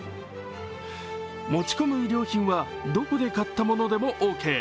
持ち込む衣料品はどこで買ったものでもオーケー。